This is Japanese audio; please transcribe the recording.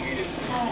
はい。